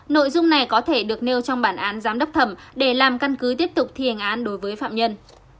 nội dung này có thể được nêu trong bản án giám đốc thẩm để làm căn cứ tiếp tục thi hành án đối với phạm nhân